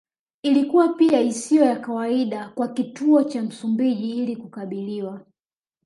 Ilikuwa pia isiyo ya kawaida kwa Kituo cha Msumbiji ili kukabiliwa